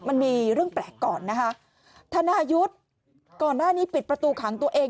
มันมีเรื่องแปลกก่อนนะคะธนายุทธ์ก่อนหน้านี้ปิดประตูขังตัวเอง